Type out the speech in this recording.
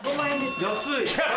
安い！